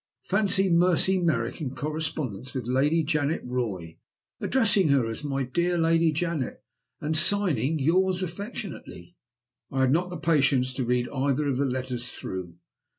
Fancy Mercy Merrick in correspondence with Lady Janet Roy! addressing her as 'My dear Lady Janet,' and signing, 'Yours affectionately!' "I had not the patience to read either of the letters through.